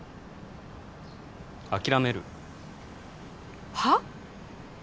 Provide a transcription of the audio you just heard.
諦めるはあ？